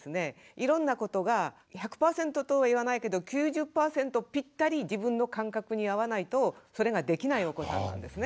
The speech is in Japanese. いろんなことが１００％とは言わないけど９０％ぴったり自分の感覚に合わないとそれができないお子さんなんですね。